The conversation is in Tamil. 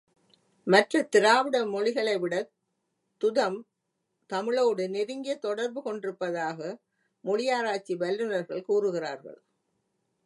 மற்ற திராவிட மொழிகளைவிடத் துதம் தமிழோடு நெருங்கிய தொடர்பு கொண்டிருப்பதாக மொழியாராய்ச்சி வல்லுநர்கள் கூறுகிறார்கள்.